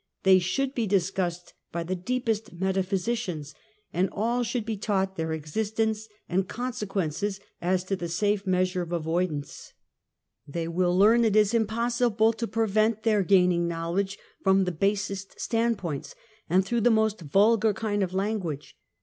They should be discussed by the deepest metaphysicians, and all should be taught their existence and consequences, as the safe method of avoidance. 78 UNMASKED. Tliiey icill learn, it is impossible to prevent tlieir gaining knowledge from the basest standpoints, and through the most vulgar kind of language.